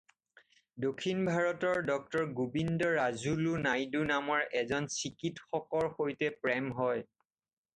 দক্ষিণ ভাৰতৰ ড৹ গোবিন্দৰাজুলু নাইডু নামৰ এজন চিকিৎসকৰ সৈতে প্ৰেম হয়।